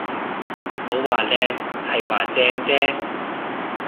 冇話靚，係話正啫